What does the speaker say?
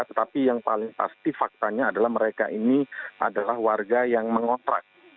tetapi yang paling pasti faktanya adalah mereka ini adalah warga yang mengotrak